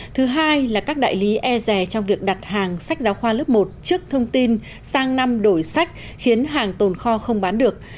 thứ hai là các đại lý e rè trong việc đặt hàng sách giáo khoa lớp một trước thông tin sang năm đổi sách khiến hàng tồn kho không bán được